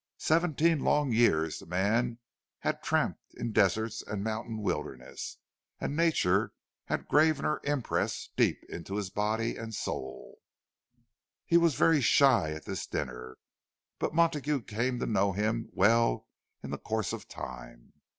Seventeen long years the man had tramped in deserts and mountain wildernesses, and Nature had graven her impress deep into his body and soul. He was very shy at this dinner; but Montague came to know him well in the course of time.